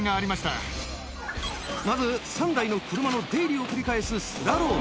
まず３台の車の出入りを繰り返すスラローム。